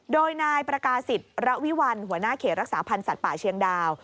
โดยนายประกาศิษย์ระวิวัลหัวหน้าเขตรักษาพันธ์สัตว์ป่าเชียงดาว